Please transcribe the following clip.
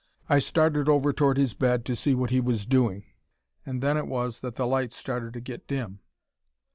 I started over toward his bed to see what he was doing and then it was that the lights started to get dim!"